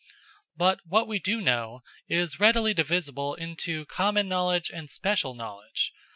But what we do know is readily divisible into common knowledge and special knowledge.